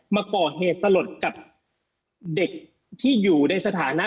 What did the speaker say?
มาก่อเหตุสลดกับเด็กที่อยู่ในสถานะ